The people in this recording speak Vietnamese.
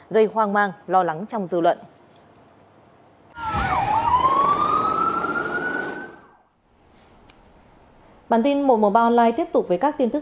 gây hoang mang lo lắng trong dư luận